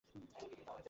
এটা ওর নসিবেই ছিল।